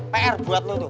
pr buat lu tuh